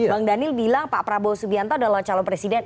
bang daniel bilang pak prabowo subianto adalah calon presiden